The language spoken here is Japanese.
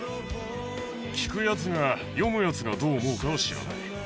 聞くやつが、読むやつがどう思うかは知らない。